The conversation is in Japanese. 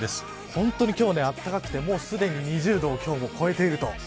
本当に今日は暖かくてすでに２０度を超えていると。